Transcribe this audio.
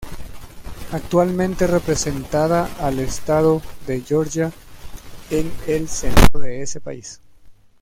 Actualmente representada al estado de Georgia en el Senado de ese país.